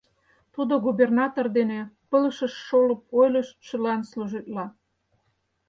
Тудо губернатор дене пылышыш шолып ойлыштшылан служитла.